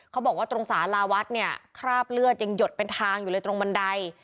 เขาบอกว่าตรงสาราวัดเนี่ยคราบเลือดยังหยดเป็นทางอยู่เลยตรงบันได